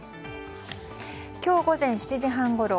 今日午前７時半ごろ